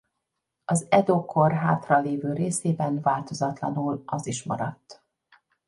Az Edo-kor hátralévő részében változatlanul az is maradt.